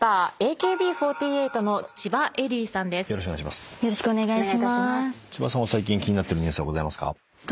千葉さんは最近気になってるニュースはございますか？